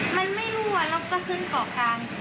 มันไม่รั่วแล้วก็ขึ้นเกาะกลาง